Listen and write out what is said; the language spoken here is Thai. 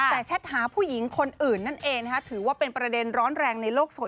แต่ชัดหาผู้หญิงคนอื่นนั่นเองถือเป็นประเด็นร้อนแรงในโลกโน้ต